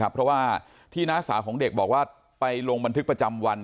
เพราะว่าที่น้าสาวของเด็กบอกว่าไปลงบันทึกประจำวัน